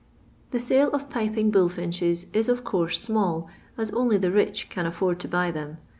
The sale of piping bullfinches is, of course, small, as only the rich can afford to buy them.